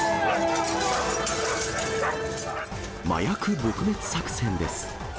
麻薬撲滅作戦です。